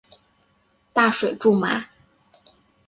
大水苎麻